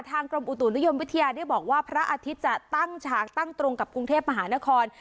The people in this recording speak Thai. กรมอุตุนิยมวิทยาได้บอกว่าพระอาทิตย์จะตั้งฉากตั้งตรงกับกรุงเทพมหานคร